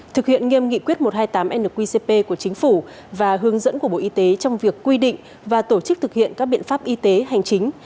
thực hiện nghiêm nghị quyết một trăm hai mươi tám nqcp của chính phủ và hướng dẫn của bộ y tế trong việc quy định và tổ chức thực hiện các biện pháp y tế hành chính